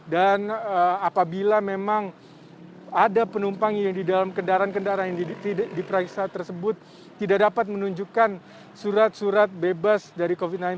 dan apabila memang ada penumpang yang di dalam kendaraan kendaraan yang diperiksa tersebut tidak dapat menunjukkan surat surat bebas dari covid sembilan belas